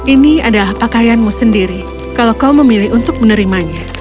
ini adalah pakaianmu sendiri kalau kau memilih untuk menerimanya